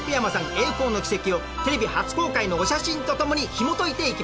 栄光の軌跡をテレビ初公開のお写真とともにひも解いていきます。